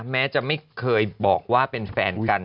แม้จะไม่เคยบอกว่าเป็นแฟนกัน